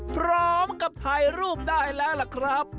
พร้อมกับถ่ายรูปได้แล้วล่ะครับ